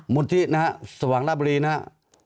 หมู่กูภัยนะฮะมุนที่สวังลบรีนะฮะ